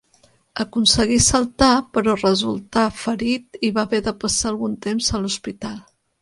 Aconseguí saltar, però resultà ferit i va haver de passar algun temps a l'hospital.